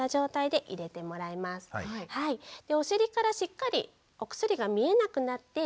でお尻からしっかりお薬が見えなくなって。